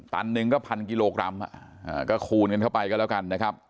ตันหนึ่งก็พันกิโลกรัมก็คูณกันเข้าไปก็แล้วกันนะครับ